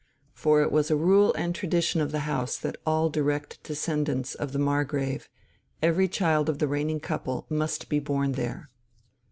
For it was a rule and tradition of the house that all direct descendants of the Margrave, every child of the reigning couple, must be born there.